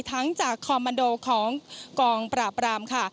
ทั้งจากคอมมันโดของกองปราบรามค่ะ